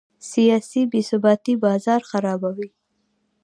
سیاسي بې ثباتي بازار خرابوي.